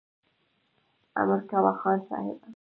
امر کوه خان صاحبه !